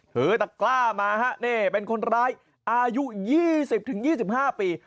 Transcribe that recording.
ถือตะกล้ามาฮะนี่เป็นคนร้ายอายุ๒๐๒๕ปี